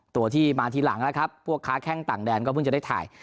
ตัวที่มาทีหลังแล้วครับพวกค้าแข้งต่างแดนก็เพิ่งจะได้ถ่าย